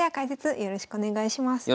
よろしくお願いします。